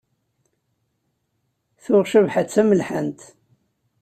Tuɣ Cabḥa d tamelḥant.